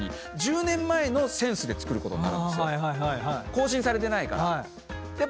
更新されてないから。